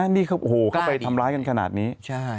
นี่เข้าไปทำร้ายกันขนาดนี้